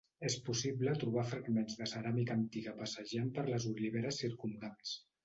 És possible trobar fragments de ceràmica antiga passejant per les oliveres circumdants.